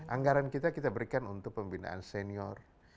anggaran kita kita berikan untuk pembinaan senior